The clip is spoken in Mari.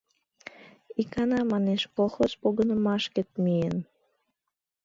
Икана, манеш, колхоз погынымашке миен.